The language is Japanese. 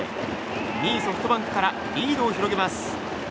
２位ソフトバンクからリードを広げます。